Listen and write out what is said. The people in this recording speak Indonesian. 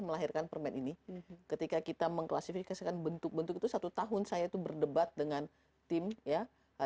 melahirkan permen ini ketika kita mengklasifikasikan bentuk bentuk itu satu tahun saya itu berdebat dengan tim ya